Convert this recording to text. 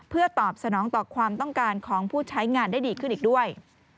เพื่อตอบสนองต่อความต้องการของผู้ใช้งานได้ดีขึ้นอีกด้วย